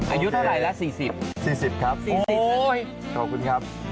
อายุเท่าไหร่ละ๔๐๔๐ครับขอบคุณครับ